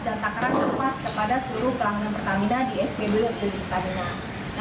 dan takaran yang pas kepada seluruh pelanggan pertamina di spbu dan spbu pertamina